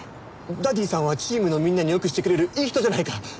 ダディさんはチームのみんなによくしてくれるいい人じゃないか。